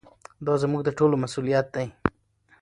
دا زموږ د ټولو مسؤلیت دی.